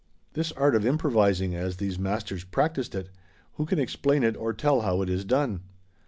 This art of improvising, as these masters practised it, who can explain it or tell how it is done?